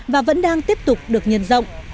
và vẫn đang tiếp tục được nhân rộng